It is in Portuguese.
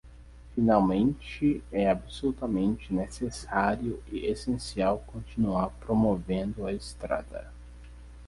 Finalmente, é absolutamente necessário e essencial continuar promovendo a estrada.